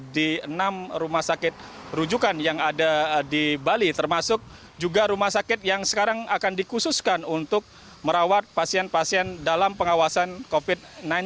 di enam rumah sakit rujukan yang ada di bali termasuk juga rumah sakit yang sekarang akan dikhususkan untuk merawat pasien pasien dalam pengawasan covid sembilan belas